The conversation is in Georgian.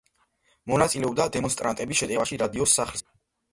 მონაწილეობდა დემონსტრანტების შეტევაში რადიოს სახლზე.